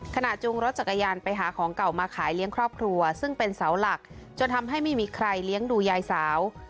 จูงรถจักรยานไปหาของเก่ามาขายเลี้ยงครอบครัวซึ่งเป็นเสาหลักจนทำให้ไม่มีใครเลี้ยงดูยายสาว